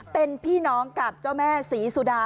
เป็นพี่น้องกับเจ้าแม่ศรีสุดา